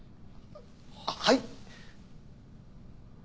はい？